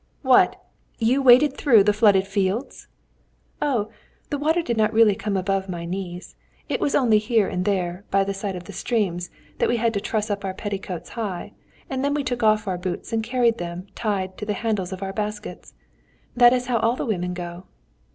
"What! you waded through the flooded fields?" "Oh, the water did not really come above my knees. It was only here and there, by the side of the streams, that we had to truss up our petticoats pretty high, and then we took off our boots and carried them tied on to the handles of our baskets. That is how all the women go."